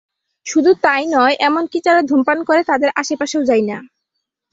শুধু তাই নয়, এমনকি যারা ধূমপান করে তাদের আশপাশেও যাই না।